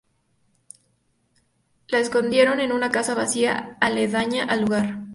Lo escondieron en una casa vacía aledaña al lugar.